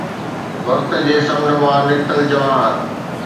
وقت جي سمنڊ مان نڪتل جواهر